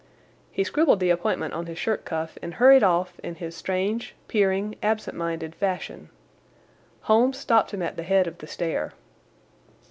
He scribbled the appointment on his shirt cuff and hurried off in his strange, peering, absent minded fashion. Holmes stopped him at the head of the stair.